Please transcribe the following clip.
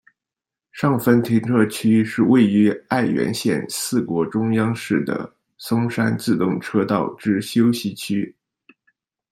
上分停车区是位于爱媛县四国中央市的松山自动车道之休息区。